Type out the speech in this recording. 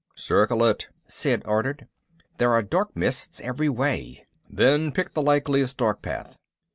"Circle it," Sid ordered. "There are dark mists every way." "Then pick the likeliest dark path!"